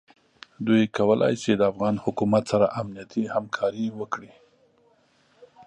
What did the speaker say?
دوی کولای شي د افغان حکومت سره امنیتي همکاري وکړي.